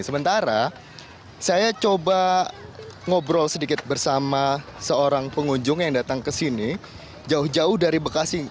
sementara saya coba ngobrol sedikit bersama seorang pengunjung yang datang ke sini jauh jauh dari bekasi